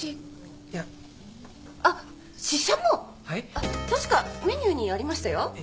あっ確かメニューにありましたよ。